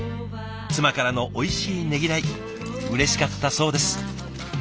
妻からのおいしいねぎらいうれしかったそうです。